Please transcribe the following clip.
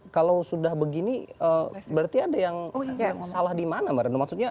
kalau sudah begini berarti ada yang salah di mana mbak reno maksudnya